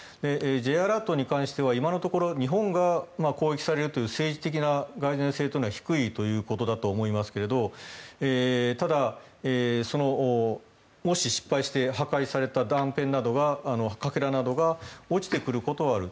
Ｊアラートに関しては今のところ日本が攻撃されるという政治的ながい然性は低いということだと思いますがただ、もし失敗して破壊された断片などがかけらなどが落ちてくることはある。